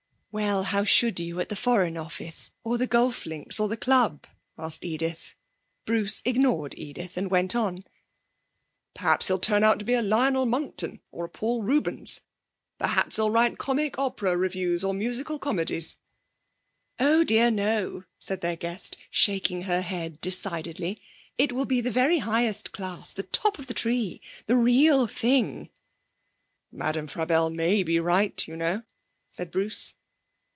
'Well, how should you at the Foreign Office, or the golf links, or the club?' asked Edith. Bruce ignored Edith, and went on: 'Perhaps he'll turn out to be a Lionel Monckton or a Paul Rubens. Perhaps he'll write comic opera revues or musical comedies.' 'Oh dear, no,' said their guest, shaking her head decidedly. 'It will be the very highest class, the top of the tree! The real thing!' 'Madame Frabelle may be right, you know,' said Bruce.